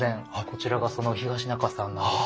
こちらがその東仲さんなんです。